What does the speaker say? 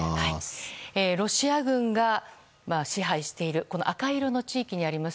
ロシア軍が支配している赤色の地域にあります